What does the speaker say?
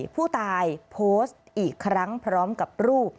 ผู้ตายโพสต์อีกครั้งพร้อมกับรูป